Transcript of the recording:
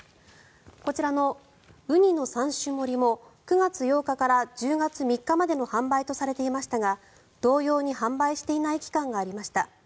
こちらのウニの３種盛りも９月８日から１０日３日までの販売とされていましたが同様に販売していない期間がありました。